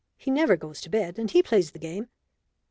He never goes to bed, and he plays the game."